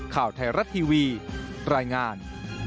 ข่าวไทยรัฐทีวีรายงาน